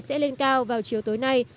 sẽ lên cao vào chiều tối nay